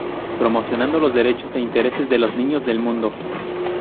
Promocionando los derechos e intereses de los niños del mundo.